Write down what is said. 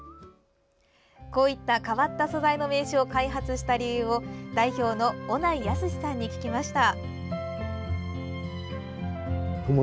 こういった変わった素材の名刺を開発した理由を代表の尾内泰さんに聞きました。